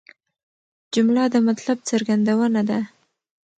جمله د مطلب څرګندونه ده.